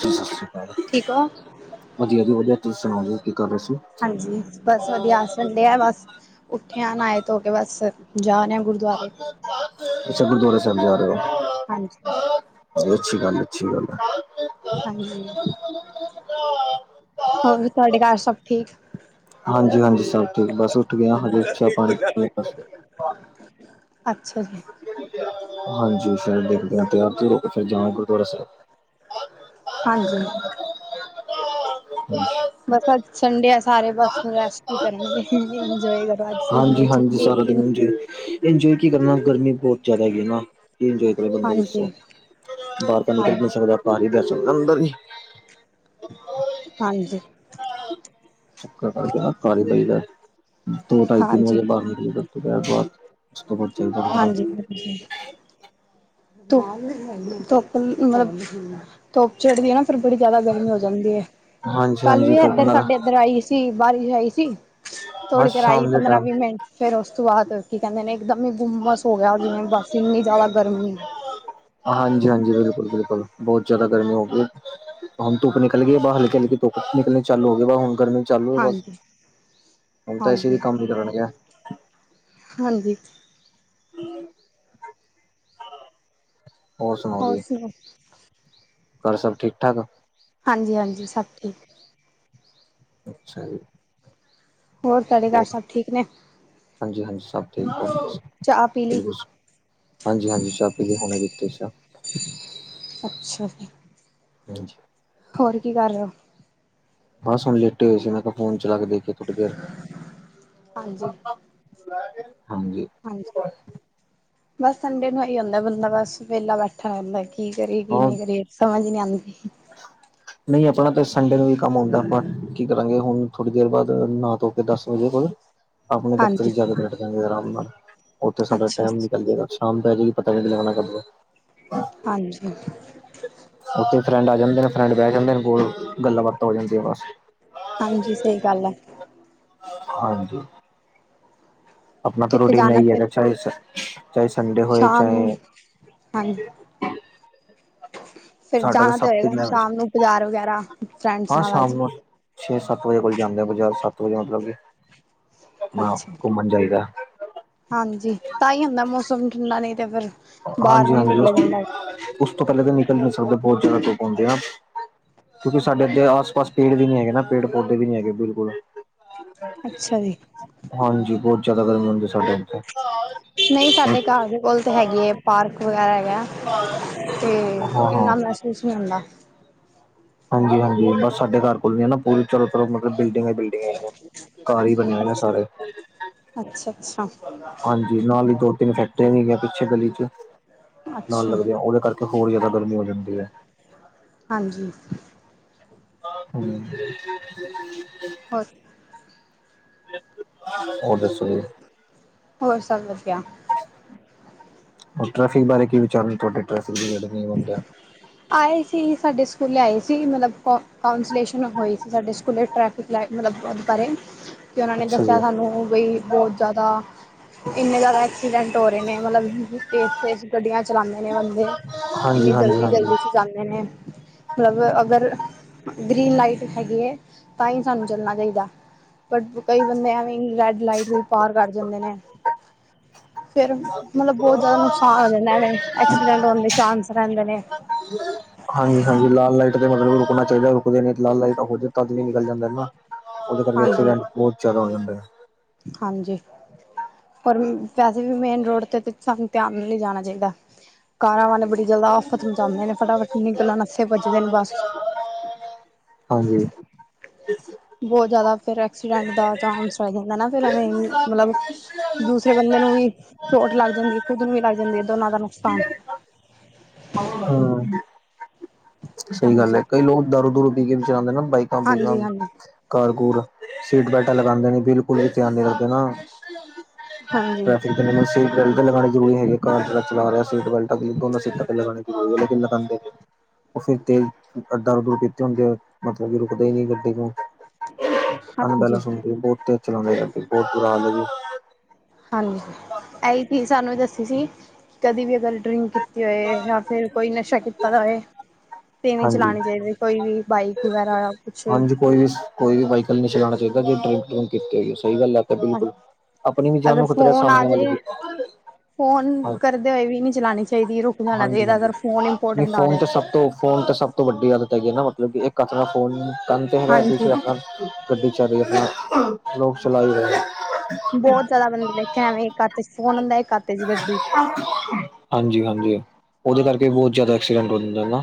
ਸਸ ਰੀ ਕਾਲ ਜੀ, ਠੀਕ ਹੋ ਵਧੀਯਾ ਜੀ ਵਧੀਯਾ, ਤੁਸੀ ਸੁਣਾਓ ਜੀ ਕੀ ਕਰ ਰਹੇ ਸੀ? ਜੀ ਚ ਬਸ ਵਧੀਆ, ਆਜ ਸੰਡੇ ਏ ਬਸ, ਉਠੇ ਆ ਨਾਏ ਧੋ ਕੇ ਬਸ ਜਾਨੈ ਗੁਰੂਦੁਆਰੇ। ਅੱਛਾ। ਗੁਰਦੁਆਰਾ ਸਾਹਿਬ ਜਾ ਰੇ ਓ। ਹਾਂਜੀ। ਬਹੁਤ ਅੱਛੀ ਗੱਲ -ਅੱਛੀ ਗੱਲ ਏ। ਹਾਂਜੀ। [unintelligible] ਹ [inaudible] ਹੋਰ ਤੁਹਾਡੇ ਘਰ ਸਭ ਠੀਕ। ਹਾਂਜੀ-ਹਾਂਜੀ ਸਭ ਠੀਕ ਬਸ ਉਠ ਗਆਂ ਹਜੇ ਅੱਜੇ ਚਾਹ ਪਾਣੀ ਪੀ ਅੱਛਾ ਜੀ। ਹਾਂਜੀ ਸਭ ਠੀਕ ਹਾਂ ਦੇਖਦੇ ਆਂ ਫੇਰ ਤਿਆਰ ਤਯੁਰ ਹੋਕੇ ਫੇਰ ਜਾਣਾ ਏ ਗੁਰਦੁਆਰਾ ਸਾਹਿਬ। ਹਾਂਜੀ ਹਮ [unintelligible] ਬਸ ਅਜ ਸੰਡੇ ਆ ਸਾਰੇ ਬਸ ਰੈਸਟ ਹੀ ਕਰਨਗੇ ਇਜੋਏ ਕਰੋ ਅੱਜ ਸੰਡੇ ਭ ਛੁਟੀ। ਦਿ ਜ [unintelligible] ਇਜੋਏ ਕੀ ਕਰਨਾ ਗਰਮੀ ਬਹੁਤ ਜਿਆਦਾ ਹੈਗੀ ਨਾ। ਕੀ ਇੰਜੋਏ ਕਰੇ ਬੰਦਾ ਦੱਸੋ ਹਾਂਜੀ ਬਾਹਰ ਤਾਂ ਨਿਕਲ ਨੀ ਹਾਂਜੀ ਸਕਦਾ ਬਾਹਰ ਨੀ ਬੈ ਸਕਦਾ, ਅੰਦਰ ਹੀ ਹਾਂਜੀ ਚੱਕਰ ਕਰਕੇ ਨਾ ਘਾਰ ਹੀ ਰਹਿਦਾ ਦੋ ਢਾਈ ਤਿੰਨ ਹਾਂਜੀ ਵਜੇ ਬਾਹਰ ਨਿਕਲੀ ਦਾ ਅਸੀ ਤੇ ਐਤਵਾਰ ਹਾਂਜੀ ਹ ਧੱਪ ਧੁੱਪ ਮਤਲਬ ਧੁੱਪ ਚੜਦੀ ਹੈ ਨਾ। ਫੇਰ ਬੜੀ ਜਿਆਦਾ ਗਰਮੀ ਹੋ ਜਾਦੀ ਹੈ ਹਾਂਜੀ ਕੱਲ ਹਾਂਜੀ ਵੀ ਧੁੱਪ ਇਧਰ ਨਾਲ ਸਾਡੇ ਇੱਧਰ ਆਈ ਸੀ ਬਾਰਿਸ਼ ਆਈ ਸੀ ਹਾਂ ਥੋੜੀ ਤੇਰ ਆਈ ਸ਼ਾਮ ਦੇ ਪੰਦਰਾਂ ਟਾਈਮ ਵੀਹ ਮਿੰਟ। ਫੇਰ ਉਸ ਤੋ ਬਾਅਦ ਕੀ ਕਹਿਦੇ ਨੇ ਇਕਦਮ ਹੀ ਹੂਮਸ ਹੋ ਗਿਆ ਜਿਵੇ ਬਸ ਇਨੀ ਜਿਆਦਾ ਗਰਮੀ। ਹਾਂਜੀ- ਹਾਂਜੀ ਬਿਲਕੁਲ ਬਿਲਕੁਲ ਬਹੁਤ ਜਿਆਦਾ ਗਰਮੀ ਹੋ ਗਈ। ਹੂੰ ਤੂੰਪ ਨਿਕਲ ਗਈ ਬਾਹਰ ਹਲਕੇ- ਹਲਕੇ ਧੁਪ ਨਿਕਲਣੇ ਚਾਲੂ ਹੋ ਗਈ ਵਾਹ ਹੁਣ ਗਰਮੀ ਚੱਲੂ ਏ ਬਸ ਹਾਂਜੀ ਹੁਣ ਤਾਂ ਏਸੀ ਵੀ ਹਾਂਜੀ ਕੰਮ ਨੀ ਕਰਨ ਗਿਆ। ਹਾਂਜੀ ਹੂ ਹੋਰ ਸੁਣਾਓ ਜੀ ਘਰ ਸਭ ਠੀਕ ਠਾਕ? ਹਾਂਜੀ- ਹਾਂਜੀ ਸਭ ਠੀਕ। ਅੱਛਾ ਜੀ। ਹੋਰ ਤੁਹਾਡੇ ਘਰ ਹੋਰ ਸਭ ਠੀਕ ਨੇ ਹਾਂਜੀ- ਹਾਂਜੀ ਸਭ ਠੀਕ ਤੁਸੀ ਚਾਹ ਪੀ ਲਈ ਦੱਸੋ ਹਾਂਜੀ -ਹਾਂਜੀ ਚਾਹ ਪੀਲੀ, ਹੁਣੇ ਪੀਤੀ ਸੀ ਚਾਹ ਅੱਛਾ- ਅੱਛਾ ਹਾਂਜੀ ਹੋਰ ਕੀ ਕਰ ਰਹੇ ਹੋ? ਬਸ ਹੁਣ ਲੇਟੇ ਹੋਏ ਸੀ, ਮੈਂ ਕਿਹਾ ਫੋਨ ਚਲਾ ਕੇ ਦੇਖਿਏ ਥੋੜੀ ਦੇਰ ਹਾਂਜੀ ਹਾਂਜੀ ਹਾਂਜੀ ਬਸ ਸੰਡੇ ਨੂੰ ਐਹੀ ਹੁੰਦਾ, ਬੰਦਾ ਬਸ ਵੇਹਲਾ ਬੈਠਾ ਰਹਿੰਦਾ। ਕੀ ਕਰੀਏ ਕੀ ਨਈ ਕਰੀਏ, ਸਮਝ ਈ ਨੀ ਆਉਂਦੀ। ਹ [inaudible] ਨਹੀਂ ਆਪਣਾ ਤਾਂ ਸੰਡੇ ਨੂੰ ਵੀ ਕੰਮ ਆਉਂਦਾ, ਆਪਾਂ ਕੀ ਕਰਾਂਗੇ ਹੁਣ ਥੋੜ੍ਹੀ ਦੇਰ ਬਾਅਦ, ਨਾ ਧੋ ਕੇ, ਦਸ ਵਜੇ ਕੋਲ ਆਪਣੇ ਦਫ਼ਤਰ ਹਾਂਜੀ ਚ ਜਾ ਕੇ ਬੈਠ ਜਾਂਦੇ ਆਰਾਮ ਨਾਲ, ਉੱਥੇ ਸਾਡਾ ਅੱਛਾ ਟਾਈਮ ਅੱਛਾ ਨਿਕਲ ਜੇਗਾ ਸ਼ਾਮ ਪੈ ਜਾੂਗੀ, ਪਤਾ ਈ ਨਈ ਲਗਣਾ ਕ ਹਾਂਜੀ। ਉੱਥੇ ਫਰੈਂਡ ਆ ਜਾਂਦੇ ਨੇ, ਫਰੈਂਡ ਬਹਿ ਜਾਂਦੇ ਨੇ, ਕੋਲ ਗੱਲਾਂ ਬਾਤਾਂ ਹੋ ਜਾਂਦੀਆਂ ਬਸ ਹਾਂਜੀ ਸਹੀ ਗੱਲ ਹੈ। ਹਾਂਜੀ ਆਪਣਾ ਤਾਂ ਕਿੱਥੇ ਰੋਟੀਨ ਜਾਣਾ ਹੀ ਫਿਰ ਹੈਗਾ, ਚਾਹੇ- ਚਾਹੇ ਸੰਡੇ ਹੋਏ ਚਾਹੇ ਹਾਂਜ ਫੇਿਰ ਸਾਡਾ ਜਾਨਾ ਤਾਂ ਸੱਤ ਹੋਏਗਾ ਦਿਨਾਂ ਵਿੱਚ ਸ਼ਾਮ ਨੂੰ ਬਜ਼ਾਰ ਵਗੈਰਾ ਫਰੈਂਡਸ ਹਾਂ ਨਾਲ ਸ਼ਾਮ ਅੱਜ। ਨੂੰ ਛੇ-ਸੱਤ ਵਜੇ ਕੋਲ ਜਾਂਦੇ ਆ, ਬਜ਼ਾਰ ਸੱਤ ਵਜੇ ਮਤਲਬ ਕਿ ਨਾ ਆਪ ਅੱਛਾ। ਘੁੰਮਨ ਜਾਈਦਾ ਹਾਂਜੀ, ਤਾਂ ਈ ਹੁੰਦਾ ਮੌਸਮ ਠੰਡਾ ਨਈ ਤੇ ਫੇਰ ਹਾਂਜੀ- ਹਾਂਜੀ, ਉਸ ਤੋਂ ਪੈਲੇ ਤੇ ਨਿਕਲ ਨੀ ਸਕਦੇ, ਬੋਤ ਜਿਆਦਾ ਲੋਕ ਔਂਦੇ ਐ ਕਿਉਂਕਿ ਸਾਡੇ ਐਦੇ ਆਸ-ਪਾਸ ਪੇੜ ਵੀ ਨੀ ਹੈਗੇ ਨਾ, ਪੇੜ-ਪੌਦੇ ਵੀ ਨੀ ਹੈਗੇ ਬਿਲਕੁਲ। ਅੱਛਾ ਜੀ ਹਾਂਜੀ, ਬੋਤ ਜਾਦਾ ਗਰਮੀ ਹੁੰਦੀ ਸਾਡੇ ਇੱਥੇ। ਨਈ, ਸਾਡੇ ਘਰ ਦੇ ਕੋਲ ਤੇ ਹੈਗੀ ਏ, ਪਾਰਕ ਵਗੈਰਾ ਹੈਗਾ। ਤੇ ਹਾਂ ਇੰਨਾ ਹਾਂ ਮੈਸੂਸ ਨਈ ਹੁੰਦਾ। ਹਾਂਜੀ- ਹਾਂਜੀ, ਬਸ ਸਾਡੇ ਘਰ ਕੋਲ ਨਈ ਐ ਨਾ, ਪੂਰੀ ਚਾਰੋਂ ਤਰਫ ਮਤਲਬ ਬਿਲਡਿੰਗ ਬਿਲਡਿੰਗ ਹੈਗੀਆਂ ਘਰ ਹੀ ਬਣੇ ਹੋਏ ਨੇ ਸਾਰੇ ਅੱਛ-ਅੱਛ ਅੱਛਾ [inaudible] ਹਾਂਜੀ, ਨਾਲ ਹੀ ਈ ਦੋ-ਤਿੰਨ ਫੈਕਟਰੀਆਂ ਵੀ ਹੈਗੀਆਂ, ਪਿੱਛੇ ਗਲੀ ਚ ਨਾਲ ਅੱਛਾ ਲੱਗਦੀਆਂ, ਓਹਦੇ ਕਰਕੇ, ਹੋਰ ਜ਼ਿਆਦਾ ਗਰਮੀ ਹੋ ਜਾਂਦੀ ਹੈ। ਹਾਂਜੀ ਹੂੰ ਹੋ [inaudible] ਹੋਰ ਦੱਸੋ ਹੋਰ ਸਭ ਵਦੀਆ। ਹੋਰ ਟ੍ਰੈਫਿਕ ਬਾਰੇ ਕੀ ਵਿਚਾਰ ਨੇ ਤੁਹਾਡੇ? ਟ੍ਰੇਫਿਕ ਦੀੜ [inaudible] ਆਏ ਸੀ ਸਾਡੇ ਸਕੂਲੇ ਆਏ ਸੀ, ਮਤਲਬ ਕੌਂਸਲੇਸ਼ਨ ਹੋਈ ਸੀ ਸਾਡੇ ਸਕੂਲੇ, ਟਰੈਕ ਤੇ ਟਰੈਕ ਮਤਲਬ [inaudible] ਹ [inaudible] ਤੇ ਓਹਨਾਂ ਨੇ ਦੱਸਿਆ ਸਾਨੂੰ ਬਈ ਬਹੁਤ ਜਿਆਦਾ ਕਿਸ਼ਨੇ ਜਿਆਦਾ ਐਕਸੀਡੈਂਟ ਹੋ ਰਹੇ ਨੇ, ਮਤਲਬ ਤੇਜ਼-ਤੇਜ਼ ਗੱਡੀਆਂ ਚਲਾਂਦੇ ਨੇ ਬੰਦੇ। ਹਾਂਜੀ ਇੰਨੀ ਹਾਂਜੀ ਹਾਂਜੀ ਜਲਦੀ-ਜਲਦੀ ਚ ਜਾਂਦੇ ਨੇ ਮਤਲਬ ਅਗਰ ਗਰੀਨ ਲਾਈਟ ਹੈਗੀ ਏ, ਤਾਂਈ ਸਾਨੂੰ ਚੱਲਨਾ ਚਾਈਦਾ ਬਟ ਕਈ ਬੰਦੇ ਐਵੇਂ ਈ ਰੈਡ ਲਾਈਟ ਵੀ ਪਾਰ ਕਰ ਜਾਂਦੇ ਨੇ। ਫੇਰ ਮਤਲਬ ਬੋਤ ਜਿਆਦਾ ਨੁਕਸਾਨ ਹੋ ਜਾਂਦਾ ਐਵੇ ਐਕਸੀਡੈਂਟ ਹੋਣ ਦੇ ਚਾਂਸ ਰਹਿੰਦੇ ਨੇ ਹੂੰ ਹਾਂਜੀ-ਹਾਂਜੀ ਲਾਲ ਲਾਈਟ ਤੇ ਮਤਲਬ ਰੁਕਨਾ ਚਾਈਦਾ ਰੁਕਦੇ ਨੇ। ਲਾਲ ਲਾਈਟ ਹੋ ਜਾਏ ਤਦ ਵੀ ਨਿਕਲ ਜਾਂਦੇ ਨੇ ਨਾ। ਓਹਦੇ ਕਰਕੇ ਹਾਂਜੀ ਐਕਸੀਡੈਂਟ ਬੋਤ ਜਿਆਦਾ ਹੋ ਜਾਂਦੈ। ਹਾਂਜੀ ਪਰ ਵੈਸੇ ਵੀ ਮੇਨ ਰੋਡ ਤੇ ਸਾਨੂੰ ਧਿਆਨ ਨਾਲ ਜਾਨਾ ਚਾਈਦਾ। ਕਾਰਾਂ ਵਾਲੇ ਬੜੀ ਜਿਆਦਾ ਆਫ਼ਤ ਮਚਾਂਦੇ ਨੇ। ਫਟਾਫਟ ਨਿਕਲਨ ਆਸਤੇ ਭੱਜਦੇ ਨੇ ਬਸ। ਹਾਂਜੀ ਬੋਤ ਜਿਆਦਾ ਫੇਰ ਐਕਸੀਡੈਂਟ ਦਾ ਚਾਂਸ ਹੋ ਜਾਂਦਾ ਨਾ ਫਿਰ ਐਵੇਂ ਮਲਬ ਦੂਸਰੇ ਬੰਦੇ ਨੂੰ ਵੀ ਚੋਟ ਲੱਗ ਜਾਂਦੀ ਏ ਖੁੱਦ ਨੂੰ ਵੀ ਲੱਗ ਜਾਂਦੀ ਏ ਦੋਨਾਂ ਦਾ ਨੁਕਸਾਨ ਹਾਂ। ਸਹੀ ਗੱਲ ਹਾਂਜੀ ਹੈ ਕਈ ਲੋਕ ਦਾਰੂ-ਦੂਰੂ ਪੀ ਕੇ ਵੀ ਚਲਾਂਦੇ ਨਾ ਬਾਈਕਾਂ-ਬੂਕਾਂ। ਹਾਂਜੀ ਹਾਂਜੀ ਕਾਰ-ਕੂਰ, ਸੀਟ ਬੈਲਟਾਂ ਲਗਾਂਦੇ ਨੇ ਬਿਲਕੁਲ ਵੀ ਧਿਆਨ ਨੀ ਰਖਦੇ ਨਾ। ਹਾਂਜੀ ਟ੍ਰੈਫਿਕ ਤੇ [inaudible] ਬੈਲਟ ਲਗਾਣੀ ਜ਼ਰੂਰੀ ਹੈਗੀ। ਕਾਰ ਜੇਹੜਾ ਚਲਾ ਰਿਹਾ ਸੀਟ ਬੈਲਟ ਦੋਨਾ ਸੀਟਾਂ ਲਗਾਣੀ ਜਰੂਰੀ ਐ ਲੇਕਿਨ ਲਗਾਂਦੇ ਨਈ। ਓਹ ਫੇਰ ਤੇਜ਼ ਓ ਦਾਰੂ-ਦੁਰੂ ਪੀਤੀ ਹੁੰਦੀ ਐ, ਮਤਲਬ ਕਿ ਰੁਕਦੇ ਈ ਨੀ ਗੱਡੀ ਨੂੰ। ਹਾਂਜੀ ਅਨਬੈਲਸ ਹੁੰਦੀ ਏ, ਬੌਤ ਤੇਜ ਚਲੋਦੇ ਜੀ ਗੱਡੀ, ਬੌਤ ਬੁਰਾ ਹਾਲ ਏ ਜੀ। ਹਾਂਜੀ, ਐਈ ਚੀਜ਼ ਸਾਨੂੰ ਈ ਦੱਸੀ ਸੀ ਕਦੀ ਵੀ ਅਗਰ ਡਰਿੰਕ ਕੀਤੀ ਹੋਏ ਯਾ ਫਿਰ ਕੋਈ ਨਸ਼ਾ ਕੀਤਾ ਦਾ ਹੋਏ ਤੇ ਨੀ ਹਾਂਜੀ। ਚਲਾਣੀ ਚਾਈਦੇ ਕੋਈ ਵੀ ਬਾਈਕ ਵਗੈਰਾ ਯਾ ਹਾਂਜੀ ਕੋਈ ਵੀ, ਕੋਈ ਵੀ ਵਾਈਕਲ ਨੀ ਚਲਾਣਾ ਚਾਈਦਾ ਜੇ ਡਰਿੰਕ-ਡੁਰੰਕ ਕੀਤੀ ਹੋਈ ਏ ਸਹੀ ਗੱਲ ਆ। ਓਤੇ ਹਾਂਜੀ ਬਿਲਕੁਲ, ਅਪਣੀ ਵੀ ਜਾਨ ਅਗਰ ਨੂੰ ਖ਼ਤਰੈ, ਫੋਨ ਆ ਸਾਮਣੇ ਵਾਲੇ ਜਾਏ ਦੀ ਫੋਨ ਹਾਂ। ਕਰਦੇ ਹੋਏ ਵੀ ਨੀ ਚਲਾਣੀ ਚਾਈਦੀ। ਰੁਕ ਜਾਣਾ ਹਾਂਜੀ ਚਾਈਦੈ, ਹਾਂਜੀ ਅਗਰ ਫੋਨ ਨਹੀਂ ਇੰਪੋਰਟੈਂਟ ਆਰ ਫੋਨ ਤੇ ਸਭ ਤੋਂ ਫੋਨ ਤਾਂ ਸਭ ਤੋ ਵੱਡੀ ਆਦਤ ਹੈਗੀ ਏ ਨਾ ਮਤਲਬ ਕਿ ਇੱਕ ਹਾੱਥ ਨਾਲ ਫੋਨ ਕਾਨ ਤੇ ਹੈਗੈ, ਦੂਸਰੇ ਹਾਥ ਹਾਂਜੀ ਨਾਲ ਗੱਡੀ ਚਲ ਰੀ ਐ ਅਪਣਾ। ਲੋਕ ਚਲਾਈ ਰਏ। ਬੌਤ ਜੈਦਾ ਬੰਦੇ ਦੇਖੇਣ ਏਵੇਂ ਏਕ ਹੱਥ ਇਚ ਫੋਨ ਹੁੰਦੈ ਇੱਕ ਹੱਥ ਇਚ ਗੱਡੀ। ਹਾਂਜੀ- ਹਾਂਜੀ, ਓਹਦੇ ਕਰਕੇ ਵੀ ਬੌਤ ਜੈਦਾ ਐਕਸੀਡੈਂਟ ਹੋ ਜਾਂਦੇ ਨਾ।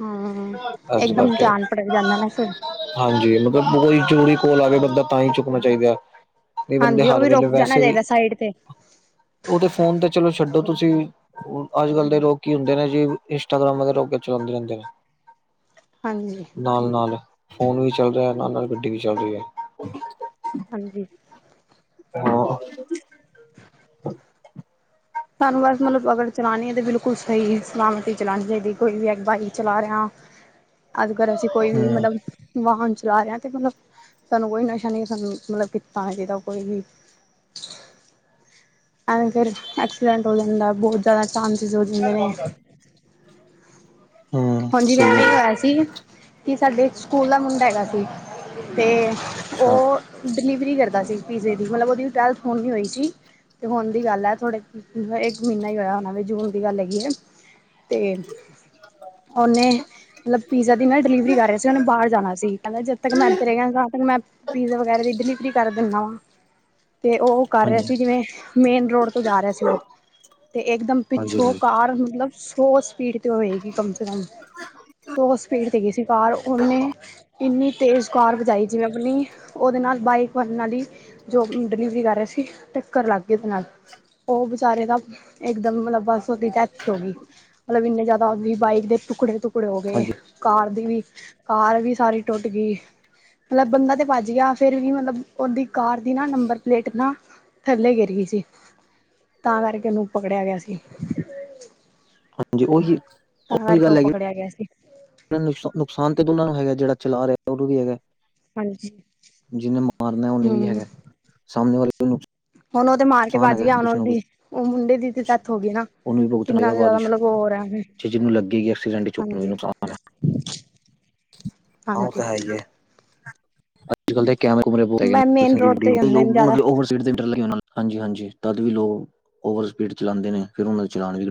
ਹੂੰ, ਇਸ ਇੱਕਦਮ ਕਰਕੇ ਧਿਆਨ ਭਟਕ ਜਾਂਦੈ ਨਾ ਸਰ। ਹਾਂਜੀ, ਮਤਲਬ ਕੋਈ ਜਰੂਰੀ ਕੋਲ ਆ ਵੇ ਬੰਦਾ ਤਾਂ ਈ ਚੁੱਕਣਾ ਚਾਈਦੈ। ਕਈ ਬੰਦੇ ਹਾਂਜੀ ਉਹ ਹਰ ਵੀ ਵੇਲੇ ਰੁਕ ਜਾਣਾ ਵੈਸੇ ਵੀ ਚਾਹੀਦਾ ਸਾਈਡ ਤੇ ਓਹਦੇ ਫੋਨ ਤੇ ਚਲੋ ਛੱਡੋ ਤੁਸੀਂ ਅੱਜ-ਕੱਲ ਦੇ ਲੋਕ ਕੀ ਹੁੰਦੇ ਨੇ ਜੀ ਇੰਸਟਾਗ੍ਰਾਮ ਵਗੈਰਾ ਓ ਕੇ ਚਲਾਂਦੇ ਰੈੰਦੇ ਨੇ। ਹਾਂਜੀ। ਨਾਲ-ਨਾਲ ਫੋਨ ਵੀ ਚੱਲ ਰਿਐ, ਨਾਲ-ਨਾਲ ਗੱਡੀ ਵੀ ਚੱਲ ਰੀ ਐ। ਹਾਂਜੀ। ਹਾਂ। [inaudible] ਸਾਨੂੰ ਬਸ ਮਤਲਬ ਅਗਰ ਚਲਾਣੀ ਏ ਤੇ ਬਿਲਕੁਲ ਸਹੀ ਸਲਾਮਤ ਈ ਚਲਾਣੀ ਚਾਈਦੀ ਏ। ਕੋਈ ਵੀ ਬਾਈਕ ਚਲਾ ਰਿਆ ਅੱਜਗਰ ਅਸੀਂ ਕੋਈ ਵੀ ਹਮ ਮਲਬ ਵਾਹਨ ਚਲਾ ਰਿਆ ਤੇ ਮਤਲਬ ਸਾਨੂੰ ਕੋਈ ਨਸ਼ਾ ਨ੍ਹੀਂ ਸਾਨੂੰ ਮਤਲਬ ਕੀਤਾ ਹੋਣਾ ਚਾਈਦਾ ਕੋਈ ਵੀ। ਐਵੇਂ ਫੇਰ ਐਕਸੀਡੈਂਟ ਹੋ ਜਾਂਦੈ। ਬੌਤ ਜੈਦਾ ਚਾਂਸਿਸ ਹੋ ਜਾਂਦੇ ਨੇ। ਹੂੰ ਹਾਂਜੀ, ਸਹੀ ਵੈਵੇਂ ਈ ਗੱਲ ਹੋਇਆ ਸੀ ਕਿ ਸਾਡੇ ਸਕੂਲ ਦਾ ਮੁੰਡਾ ਹੈਗਾ ਸੀ ਤੇ ਅੱਛਾ ਓਹ ਡਿਲੀਵਰੀ ਕਰਦਾ ਸੀ ਪੀਜ਼ੇ ਦੀ, ਮਤਲਬ ਓਹਦੀ ਟਵੈਲਥ ਹੋਣ ਈ ਹੋਈ ਸੀ। ਤੇ ਹੋਣ ਦੀ ਗੱਲ ਐ ਥੋੜ੍ਹੇ ਏਕ ਮੀਨਾ ਹੀ ਹੋਇਆ ਹੋਣਾ ਵੇ, ਜੂਨ ਦੀ ਗੱਲ ਹੈਗੀ ਏ‌। ਤੇ ਓਨੇ ਮਤਲਬ ਪੀਜ਼ਾ ਦੀ ਨਾ ਡਿਲੀਵਰੀ ਕਰ ਰਿਆ ਸੀ। ਓਨੇ ਬਾਰ ਜਾਣਾ ਸੀ, ਕੈਂਦਾ ਜਦ ਤਕ ਮੈਂ ਐਦਰ ਹੈਗਾਂ ਤਾ ਤਕ ਮੈਂ ਪੀਜ਼ਾ ਵਗੈਰਾ ਦੀ ਡਿਲੀਵਰੀ ਕਰ ਦਿੱਨਾ ਵਾਂ। ਤੇ ਓਹ ਕਰ ਰਿਆ ਹਾਂਜੀ ਸੀ ਜਿਵੇਂ ਮੇਨ ਰੋਡ ਤੋਂ ਜਾ ਰਿਆ ਸੀ ਓਹ। ਤੇ ਏਕ ਦਮ ਹਾਂਜੀ ਪਿੱਛੋਂ ਹਾਂਜੀ ਕਾਰ ਮਤਲਬ ਸੌ ਸਪੀਡ ਤੇ ਹੋਏਗੀ ਕਮ ਸੇ ਕਮ, ਸੌ ਸਪੀਡ ਤੇਗੀ ਸੀ ਕਾਰ, ਓਨੇ ਇਨੀ ਤੇਜ਼ ਕਾਰ ਵਜਾਈ ਜਿਵੇਂ ਅਪਨੀ ਓਦੇ ਨਾਲ ਬਾਈਕ ਵਾਲੇ ਨਾਲ ਈ, ਜੋ ਡਿਲੀਵਰੀ ਕਰ ਰਿਆ ਸੀ ਟੱਕਰ ਲੱਗ ਗੀ ਓਦੇ ਨਾਲ। ਓ ਵਿਚਾਰੇ ਦਾ ਏਕਦਮ ਮਤਲਬ ਬਸ ਓਦੀ ਡੈਥ ਈ ਹੋ ਗੀ। ਮਤਲਬ ਇਨੇ ਜੈਦਾ ਓਂਦੀ ਬਾਈਕ ਦੇ ਟੁਕੜੇ-ਟੁਕੜੇ ਹੋ ਗਏ। ਹਾਂਜੀ ਕਾਰ ਦੀ ਵੀ, ਕਾਰ ਵੀ ਸਾਰੀ ਟੋਟ ਗੀ। ਮਤਲਬ ਬੰਦਾ ਤੇ ਭੱਜ ਗਿਆ, ਫੇਰ ਵੀ ਮਤਲਬ ਓਦੀ ਕਾਰ ਦੀ ਨਾ ਨੰਬਰ ਪਲੇਟ ਨਾ ਥੱਲੇ ਗੇਰ ਗੀ ਸੀ, ਤਾਂ ਕਰਕੇ ਓਨੂੰ ਪਕੜੇਆ ਗੇਆ ਸੀ। ਹਾਂਜੀ, ਓਹੀ ਤਾਂ ਕਰਕੇ ਓ ਪਕੜੇਆ ਗੇਆ ਸੀ। ਨੁਸਾ ਨੁਕਸਾਨ ਤੇ ਦੋਨਾਂ ਨੂੰ ਹੈਗਾ ਜੇੜਾ ਚਲਾ ਰਿਐ ਓਨੂੰ ਵੀ ਹੈਗੈ। ਹਾਂਜੀ ਜਿਨੇ ਮਾਰਨਾ ਓਨੇ ਵੀ ਹੈਗਾ ਸਾਮਨੇ ਵਾਲੇ ਨੂੰ ਹੁਨ ਓ ਤੇ ਮਾਰ ਕੇ ਨੁਕਸਾਨ ਭਜ ਹੈਗਾ ਗਯਾ ਹੁਨ ਕੁਛ ਨਾ ਕੁਛ ਔਦੀ ਓ ਮੁੰਡੇ ਦੀ ਡੈਥ ਹੋ ਗਈ ਨਾ, ਉਹਨੂੰ ਵੀ ਭੁਗਤਣਾ ਕਿਨਾ ਪਏਗਾ ਕ ਬਾਅਦ ਜਾਦਾ ਵਿੱਚ ਮਤਲਬ ਓ ਹੋ ਰੇਆ ਏ ਜੇ ਜਿਹਨੂੰ ਲੱਗੇਗੀ ਐਕਸੀਡੈਂਟ ਚ ਹਾਂਜੀ। [inaudible] ਓ ਤਾਂ ਹੈ ਈ ਐ। ਅੱਜ ਕੱਲ ਦੇ ਕੈਮਰੇ ਕੁਮਰੇ ਬੋਤ ਹੈਗੇ ਨੇ ਮੇਨ ਰੋਡ [unintelligible] ਤੇ ਜਾਂਦੇ ਨੇ ਜ਼ਿਆਦਾ ਮਤਲਬ ਓਵਰ ਸਪ [unintelligible] ਹਾਂਜੀ-ਹਾਂਜੀ ਤਦ ਵੀ ਲੋਕ ਓਵਰ ਸਪੀਡ ਚਲਾਦੇ ਨੇ ਫੇਰ ਓਨਾਂ ਦਾ ਚਲਾਨ ਵੀ ਕਟੀ